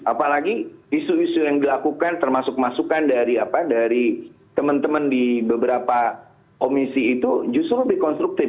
apalagi isu isu yang dilakukan termasuk masukan dari teman teman di beberapa komisi itu justru lebih konstruktif